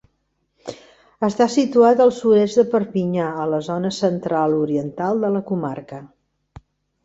Està situat al sud-est de Perpinyà, a la zona central-oriental de la comarca.